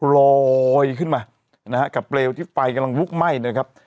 ลอยขึ้นมานะฮะกับเปลวที่ไฟกำลังลุกไหม้นะครับ